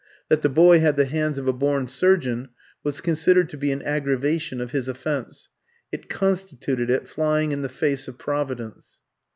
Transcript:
That the boy had the hands of a born surgeon was considered to be an aggravation of his offence; it constituted it flying in the face of Providence.